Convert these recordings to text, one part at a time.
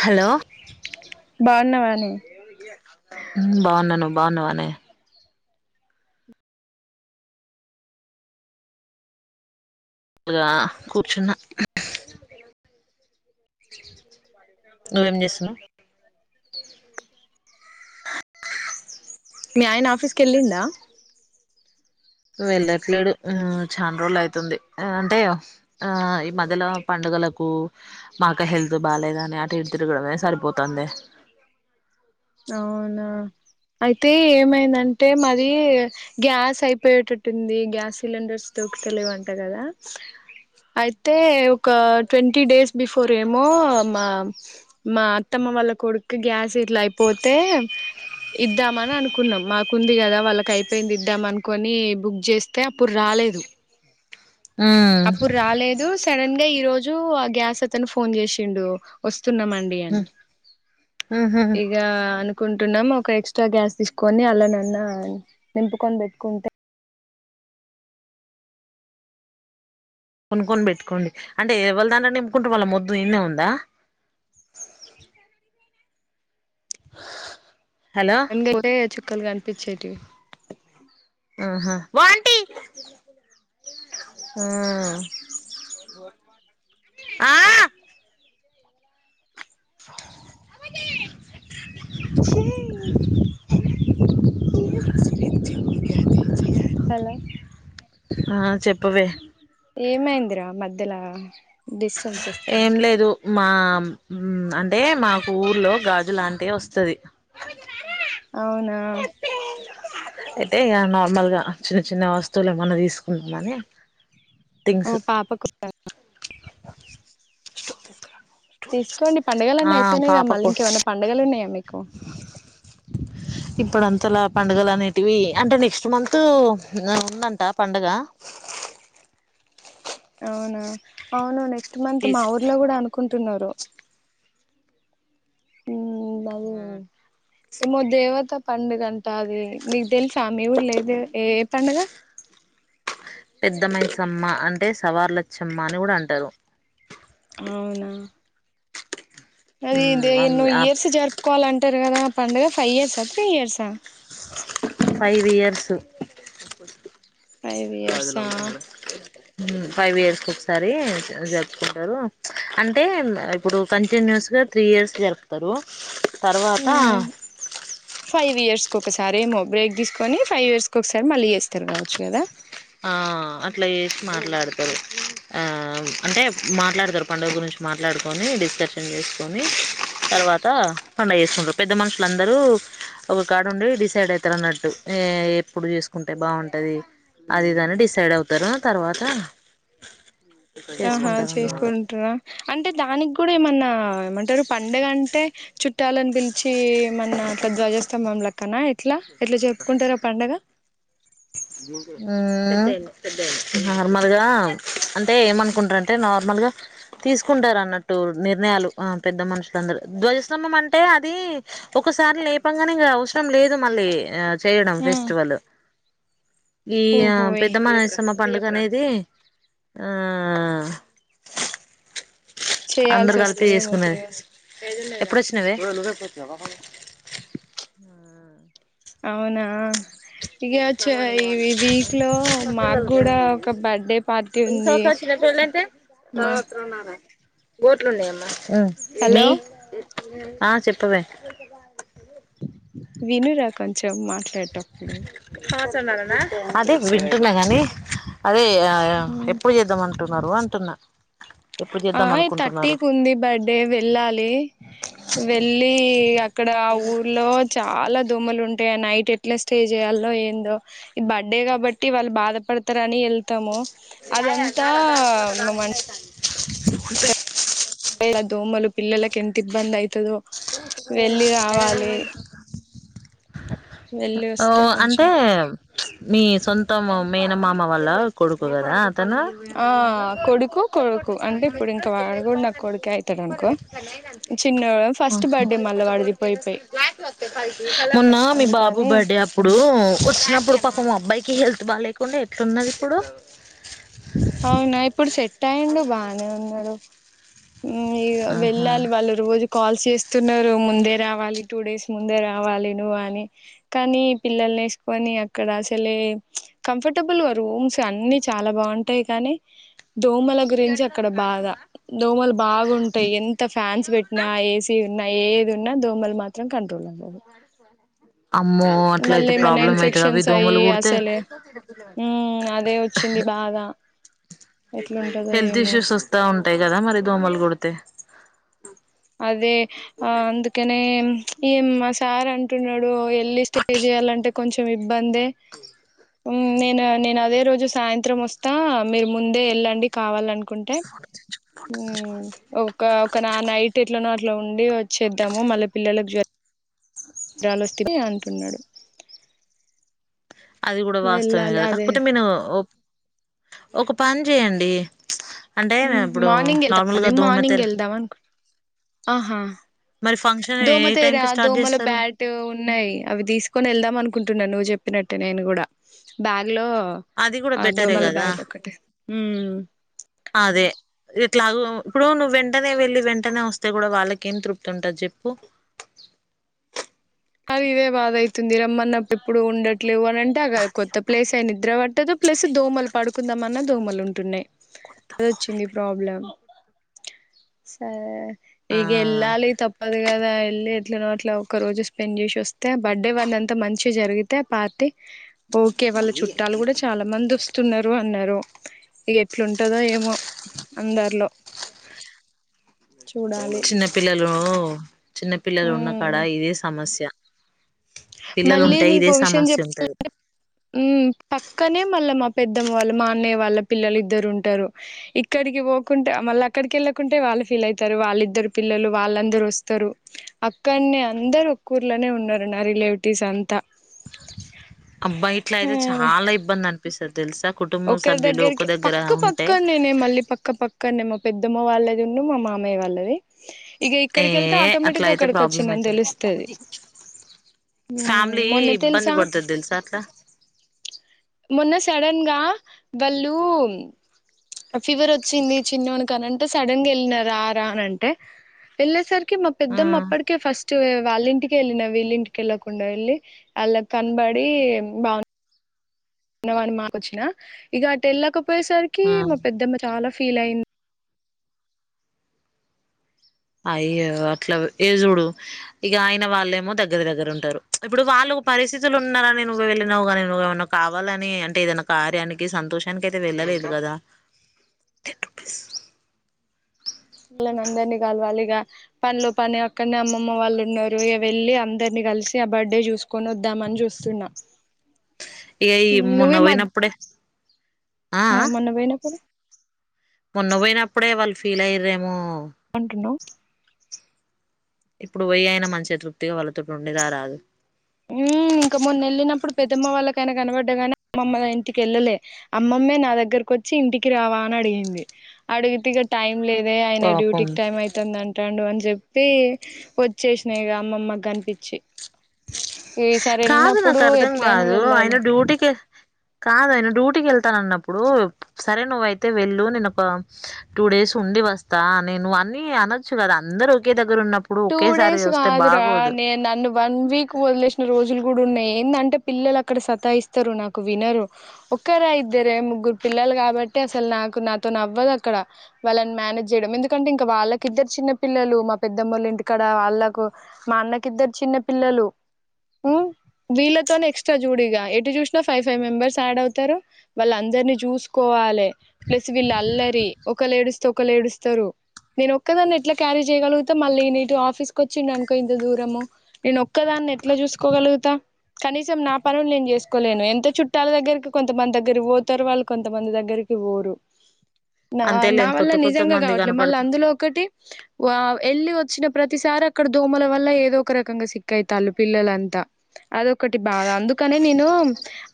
Hello ఉ బాగున్నా నువ్వు బాగున్నావానే ఇగా కూర్చున్న నువ్వేం చేస్తున్నవ్ మీ ఆయన ఆఫీస్కెళ్ళిండా వెళ్ళట్లేడు ఉమ్ చాన రోజులు అయితుంది అంటే ఆ ఈ మధ్యల పండు గలకు మాక్క హెల్త్ బాగాలేదని అటు ఇటు తిరుగడమే సరిపోతందే అవునా అయితే ఏమైందంటే మదీ గ్యాస్ అయిపోయేటట్టుంది గ్యాస్ సిలిండర్స్ దొరుకుతలేవంట కదా అయితే ఒక ట్వంటీ డేస్ బిఫోరేమో మా మా అత్తమ్మ వాల్ల కొడిక్కి గ్యాస్ ఇట్లా అయిపోతే ఇద్దామని అనుకున్నం మాకుంది కదా వాళ్ళకైపోయింది ఇద్దాం అనుకోని బుక్ చేస్తే అప్పుడు రా లేదు అప్పుడ్రాలేదూ సడన్ గా ఈరోజు ఆ గ్యాస్ అతను ఫోన్ చేసిండు వొస్ ఆహా ఇగా అనుకుంటున్నాం ఒక ఎక్స్ట్రా గ్యాస్ తీసుకొని అల్లనన్నా నింపుకొని పెట్టుకుంటే కొనుక్కొని పెట్టుకోండి అంటే ఎవల్దట్లే నింపుకుంట్రూ వాళ్ళ మొద్దు ఇన్నే ఉందా హా గైతే చుక్కలు గన్పిచ్చేటివి ఆహా జా గుడ్ మార్నింగ్ ఆ గుడ్ మార్నింగ్ ట్రా హలో అ చెప్పవే ఏమైంద్రా మధ్యలా డిస్టర్బ్ చేస్తున్నా ఏం లేదు మా మ్ అంటే మాకు ఊర్లో గాజులాంటే వొస్తది అవునా అయితే ఇగ నార్మల్గా చిన్న చిన్నా వస్తువులేమన్న తీసుకుందామని ఓ థింగ్స్ పాప క్ తీక్కోండి పండగలన్నీ ఆ అయిపోయినైగ పాపకు మళ్ళింకేమన్నా పండగలున్నాయా మీకు ఇప్పుడంతలా పండుగలనేటివి అంటే నెక్స్ట్ మంతూ ఉందంట పండుగా అవునా అవును నెక్స్ట్ మంత్ మా తీస్ ఊర్లో కూడా అనుకుంటున్నారు ఎమొ దేవత పండుగంటా అదీ నీకు తేల్సా మీ ఊర్లే దే ఏ పండుగ పెద్ద మైసమ్మ అంటే సవార్లచ్చమ్మ అని కూడా అంటారు అవునా అది దే ఎన్నో ఇయర్స్ జర్పుకోవాలంటరు కదా పండుగ ఫైవ్ ఇయర్సా త్రీ ఇయర్సా ఫైవ్ ఇయర్సు ఫైవ్ ఇయర్సా గాజులంత మీడ ఫైవ్ ఇయర్స్ ఒకసారి జర్పుకుంటరూ అంటే ఇప్పుడు కంటిన్యూస్గా త్రీ ఇయర్స్ జరుప్తరూ తర్వాత కొకసారేమో బ్రేక్ దీస్కోనీ ఫైవ్ ఇయర్స్ కొక్సారి మళ్ళీ చేస్తరు కావచ్చు కదా ఆ అట్లా చేసి మాట్లాడ్తరూ ఆ అంటే మాట్లాడ్తరు పండుగ గురించి మాట్లాడుకొని డిస్కష్రన్ చేస్కోనీ తర్వాత పండగ చేస్కుంటరూ పెద్దమన్షులందరూ ఒక కాడుండి డిసైడ్ అయితరన్నట్టు ఏ ఎప్పుడు చేస్కుంటే బాగుంటది అదీఇదని డిసైడ్ అవుతారు ఆ తర్వాత ఆహా చేసుకుంటారు అన్నమాట చేస్కుంట్రా అంటే దానిగ్గూడేమన్నా ఆ ఏమంటరూ పండగంటే చుట్టాలని పిల్చి ఏమన్న అట్లా ద్వజ స్థంబం లా కన ఎట్లా ఎట్లా జర్పుకుంటరా పండగ మ్ నార్మల్గా అంటే ఏమనుకుంటరంటే నార్మల్ గా తీస్కుంటరన్నట్టూ నిర్ణయాలు ఆ పెద్ద మనుష్లందరూ ధ్వజస్తంభం అంటే అది ఒక ఒకసారి లేపంగనే ఇంగ అవ్సరం లేదు మళ్ళీ ఆ చేయడం ఫెస్టివలు ఈ యా ఓహోయ్ పెద్దమ్మ నైసమ్మ పండుగనేది ఆ అందరు చేయాల్సి కలిపె వస్తదేమో త్రీ చేసుకునేది డేస్ నవే అవునా ఇగ చ ఈ వీక్ లో మాకు గుడా ఒక బర్త్డే పార్టీ ఉంది అసల్ ఎవలంటే మా రాత్ర ఉన్నారా గోట్లున్నయమ్మా ఉ హలో మీ ఆ చెప్పవే వినురా కొంచెం మాట్లాడేటప్పుడు అదే వింటున్నా గానీ అదే ఆ ఎప్పుడు చేద్దామ అను అంటున్నరు అంటున్న ఆ ఈ థర్టీకి ఉంది బర్త్డే వెళ్ళాలి వెళ్లి అక్కడ ఆ ఊర్లో చాలా దోమలు ఉం అంటే నైట్ ఎట్లా స్టే చేయాలో ఏందో ఈ బర్త్డే కాబట్టి వాళ్ళు బాధపడతారు అని ఎళ్తము ఇగ దాయ దార దార పోత దార ఎండైతంది ఏ ఆ దోమలు పిల్లలకెంత ఇబ్బంది అయితదో వెళ్లి రావాలి వెళ్ళి ఓ వస్తే అంటే కొంచెం ప్చ్ మీ సొంతం మేనమామ వల్ల కొడుకు గదా తను ఆ కొడుకు కొడుకు అంటే ఇప్పుడు ఇంకా వాడు కూడా నాకు కొడుకే అయితాడు అనుకో చిన్నోడు ఫస్ట్ బర్త్డే మళ్ళా వాడిది పోయి పోయి మొన్న మి బాబ్ బు అందుకని బర్డే అప్పుడు వొచ్చినప్పుడు పాపం మా అబ్బాయికి హెల్తు బాలేకుండె ఎట్లున్నది ఇప్పుడు అవునా ఇప్పుడు సెట్ అయిండు బానే ఉన్నడు ఉమ్ ఇగ ఆహా వెళ్ళాలి వాళ్ళు రోజు కాల్స్ చెస్ స్తున్నారు ముందే రావాలి టూ డేస్ ముందే రావాలి నువ్వు అని కానీ పిల్లలు ఎసుకొని నీ అక్కడ అసలే ప్చ్ కంఫర్టబుల్గా రూమ్స్ అన్ని చాలా బాగుంటాయి కానీ దోమల గురించి అక్కడ బాధ దోమలు బాగుంటాయి ఎంత ఫ్యాన్స్ పెట్టినా ఏసీ ఉన్నా ఏది ఉన్నా దోమలు మాత్రం కన్ఫ ను బాడుకోవాల మళ్ళీ ఏమన్నా అయితది అవి ఇన్ఫెక్షన్స్ అయ్యి దోమలు కుడితే అసలే ఊ అదే వచ్చింది బాద హెల్త్ ఇష్యూస్ వొస్తా ఉంటాయి గదా మరి దోమలు కుడితే అదే ఆ అందుకనే ప్చ్ ఏం మా సార్ అంటున్నడు ఎళ్ళి స్టే చేయాలంటే కొంచెం ఇబ్బందే ఉమ్ నేను నేను అదే రోజు సాయంత్రం వొస్తా మీరు ముందే ఎళ్ళండి కావాలనుకు కుంటే ఊ ఒక ఒక నా నైట్ అట్ల ఉండి వొచ్చేద్దాము మళ్ళీ పిల్లలకు జ్వ రాలోస్తి ది అంటున్నడు అది గుడా వాస్తవమే గద క కోతే మీను ఒక్ ఒక పని చేయండి అంటే హుమ్ ఇప్పుడు మార్నింగ్ ఎల్తా నార్మల్గా మేమ్ దోమ మార్నింగ్ తెర ఏళ్దాం అనుక్ ఆహా మరి ఫంక్షన్ ఏ టైం దోమతేరా కి స్టార్ట్ దోమల చేస్తారు బ్యాట్ ఉన్నాయి అవి తీసుకొని వెళ్దాం అనుకుంటున్నా నువ్వు చెప్ ప్పినట్టే నేన్ గుడా బ్యాగ్ లో అది కూడా అ బెటరే దోమల కదా బాట్ ఒకటి అదే ఎట్లాగొ ఇప్పుడు నువ్వు వెంటనే వెళ్ళి వెంటనే వొస్తే గుడా వాళ్ళకి ఏం తృప్తి ఉంటది చెప్పు అది ఇదే బాధ అయితుంది రమ్మన్నప్పుడు ఇప్పుడు ఉండట్లేవు అని అంటే అగ పది కొత్త రూపాయలు ప్లేస్ అయి నిద్ర వట్టదు ప్లస్ దోమలు పడుకుందామన్నా దోమలు ఉంటున్నాయి కొడతా అది ఫోన్ వొచ్చింది అయిపోయినాక. ప్రాబ్లం సరే ఆ ఈగ ఎల్లాలి తప్పదు గదా ఎల్లి ఎట్లనో అట్ల ఒక్క రోజు స్పెండ్ చేసి వొస్తే బర్త్డే వాళ్లంతా మంచిగా జరిగితే పార్టీ ఓకే వాళ్ళ చుట్టాలు గుడా చాలా మంది వొస్తున్నారు అన్నారు ఇగ ఎట్లుంటందో ఏమో అందరిలో చూడాలి చిన్న పిల్లలు చిన్న పిల్లలు ఉన్న కాడ ఉమ్ ఇదే సమస్య పిల్లలు మళ్ళీ ఉంటే ఇదే నీకో విషయం [inaudible] సమస్య ఉంటది ఊ పక్కనే మళ్ళా మా పెద్దమ్మ వాళ్ళు మా అన్నయ్య వాళ్ళ పిల్లలిద్దరుంటారు ఇక్కడికి పోకుంటే మళ్ళీ అక్కడికేళ్ళకుంటే వాళ్ళు ఫీల్ ఐతరు వాళ్ళిద్దరు పిల్లలు వాళ్ళందరోస్తారు అక్కనే అం అందరు ఒక్కూర్లోనే ఉన్నరు నా రిలేటివ్స్ అంతా అబ్బా ఆ ఇట్లైతే చాలా ఇబ్బందనిపిస్తది ఒకరి దగ్గరికి పక్క ఉంటే పక్కనేనే మళ్ళీ పక్క పక్కనే పెద్దమ్మ వాళ్ళదున్ను మా మామయ్య వాళ్ళది ఇగ ఏ ఇక్కడికేళ్తే అట్లా ఆటోమేటిక్గా అయితే ప్రాబ్లం అక్కడ్కోచ్చిందని అయితది తెలుస్తది ఫ్యామిలీ మొన్న ఇబ్బంది తెలుసా పడ్తుది తెల్సా అట్లా మొన్న సడన్గా వాళ్ళు ఫీవర్ ఓచ్చింది చిన్నోనికి కానంటే సడన్గా వెళ్ళిన రా రా అని అంటే వెళ్ళేసరికి మా ఆ పెద్దమ్మప్పటికే ఫస్ట్ వాళ్ళింటికేళ్ళిన వీళ్ళింటికేళ్ళకుండా వెళ్ళి వాళ్ళ కన్బడి బాన్ అన్నవాని మాకోచ్చినా ఇక అటేళ్ళకపోయేసరికి ఆ మా పెద్దమ్మ చాలా ఫీలై అయింది అయ్యో అట్లా ఏగ చూడు ఇక ఆయన వాళ్ళేమో దగ్గర దగ్గర ఉంటారు ఇప్పుడు వాళ్ళు కు పరిస్థితులున్నారని నువ్వు వెళ్ళినవుగానీ నువ్వు ఏమన్నా కావాలని అంటే ఏదై క్యానికి సంతోషానికేతే వెళ్ళ వెళ్లలేదు కాదు మళ్ళని అందరినీ కలవాలి ఇగ పనిలో పని అక్కడనే అమ్మమ్మ వాళ్ళు ఉన్నారు ఇగ వెళ్ళి అందరినీ కలిసి ఆ బర్త్డే చూస్కుందమని చూస్తున్నా ఇగ ఇ మొన్నపోయినపుడే ఆ మొన్న పోయ్నప్పుడు మొన్న పోయ్నప్పుడే వాళ్ళు ఫీల్ అయ్యరేమో అంటున్నావ్ ఇప్పుడు పోయ్ అయిన మంచి తృప్తిగా వళ్ళతోటుండి రారాదు ఉ ఇంక మొన్నేళ్ళినప్పుడు పెద్దమ్మ వాళ్ళకైనా కనపడ్డగాని అమ్మమ్మ ఇంటికిళ్ళలే అమ్మమ్మే నా దగ్గర వచ్చి ఇంటికి రావా అనడిగింది అడిగితేగ టైం లేదే ఆయన పాపం డ్యూటీకి టైంమైతాందంటాడు అని చెప్ప చెప్పి వచ్చేస్నాయిక అమ్మమ్మకి కనిపించి ఈసారి కాదు వెళ్ళినప్పుడు ఎట్లయినా నాకర్ధంకాదు ఆయన వెళ్ళాలి డ్యూటీకి కాదు ఆయన డూటీకేళ్తాన్నప్పుడు సరే నువ్వయితే వెళ్ళు నేను ఒక టూ డేస్ ఉండి వస్తా అనిను అనొచ్చు కదా అందరోకే టూ డేస్ గాదు రా నే నన్ను వన్ వీక్ వదిలేసిన రోజులు కూడా ఉన్నాయి ఏందంటే పిల్లలక్కడ సతాయిస్తారు నాకు వినరు ఒక్కరై వేరే ముగ్గురు పిల్లల్ కాబట్టి అసలు నాకు నాతో నవ్వదక్కడ వాళ్ళని మేనేజేయడం ఎందుకంటే ఇంకా వాళ్ళకిద్దరు చిన్న పిల్లలు మా పేదోమోలింటి ఇక్కడ వాళ్ళకు మా అన్నకిద్దరు చిన్న పిల్లలు ఉహ్ వీళ్ళతోనే ఎక్సట్రా జూడిగా ఎటు చూసినా ఫైవ్ ఫైవ్ మెంబర్స్యాడ్ అవుతారు వాళ్ళ అందరినీ జూస్కోవాలి వలే ప్లస్ వీళ్ళల్లరి ఒకలేడుస్తే ఒకలేడుస్తారు నేను ఒక్కదాన్ని ఎట్లా క్యారీ చేయగల్గితే మళ్ళీ నీ ఆఫీస్కోచ్చిండనుకో ఇంత దూరము నేనోక్కదాన్ని ఎట్లా చూస్కోగల్గుతా కనీసం నా పనులు నేను చేసుకోలేను ఎంత చుట్టాల్దేగ్గరికి కొంతమంది దగ్గరోతరు వాళ్ళు కొంతమంది దగ్గరకి పోరు నా అంతేలే నా వల్ల కొత్త కొత్త నిజంగా మంది గావట్లే మళ్ళ కనపడుత అందులో ఒకటి ఏళ్ళి ఓచ్చిన ప్రతిసారి అక్కడ దోమల వల్ల ఏదోక రకంగా సిక్కైతల్లు పిల్లలంతా అదొకటి బాధ అందుకు అందుకనే నేను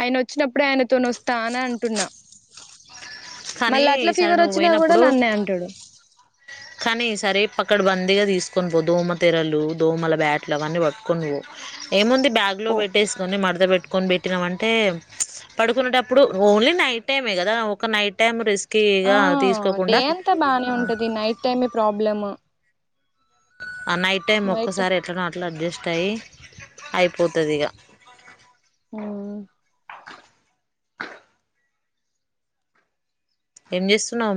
ఆయనోచ్చినప్పుడే ఆయనతోనోస్తా అని అంటున్నా కానీ మళ్ళట్లా ఈసారి నువ్వు ఫీవరోచ్చినా కూడా పోయినప్పుడు నన్నే అంటాడు కానీ ఈ సరీ పక్కడ్బందీగా తీసుకునిపో దోమతేరలు దోమల బ్యాట్లు అవన్నీ పట్టుకునిపో ఏముంది బ్యాగ్లో పో పెట్టేస్కోని మ పెట్టుకని పెట్టినావంటే అంటే పడుకున్నటప్పుడు ఓన్లీ నైటైమే కదా ఒక నైటైమ్ రెస్ట్ ఆ కిగా తీస్కోకుండా టెమీ ప్రాబ్లమ్ ఆ నైట్ టైమ్ నైట్ ఒక్కసారి ఎట్లనో ఆ ట్లా అడ్జస్ట్ అయ్యి అయిపోతది ఇగ హు మ్ ఏం జెసున్నావ్